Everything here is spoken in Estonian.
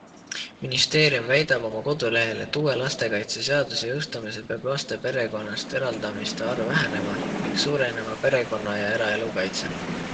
Ministeerium väidab oma kodulehel, et uue lastekaitseseaduse jõustumisel peab laste perekonnast eraldamiste arv vähenema ning suurenema perekonna ja eraelu kaitse.